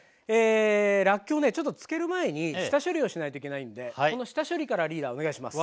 らっきょうねちょっと漬ける前に下処理をしないといけないんでこの下処理からリーダーお願いします。